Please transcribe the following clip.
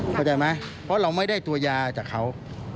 เข้าใจไหมเพราะเราไม่ได้ตัวยาจากเขา